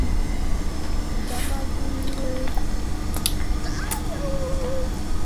დამაგვირგვინებელ კარნიზზე სკულპტურული ფიგურებია გამოსახული.